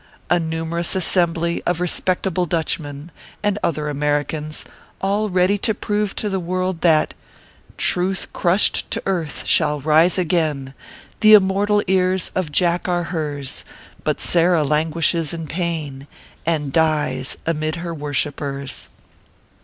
A numerous assembly of respectable Dutchmen, and other Americans, all ready to prove to the world that " Truth crushed to earth shall rise agaio, The immortal ears of jack are hers ; But Sarah languishes in pain And dyes, amid her worshipers."